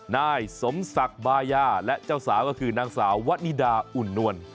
นายสมศักดิ์บายาและเจ้าสาวก็คือนางสาววะนิดาอุ่นนวล